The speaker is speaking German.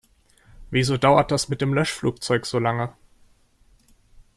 Wieso dauert das mit dem Löschflugzeug so lange?